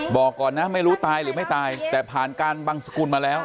บอกก่อนนะไม่รู้ตายหรือไม่ตายแต่ผ่านการบังสกุลมาแล้ว